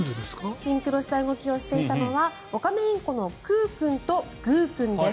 シンクロした動きをしていたのはオカメインコのクー君とグー君です。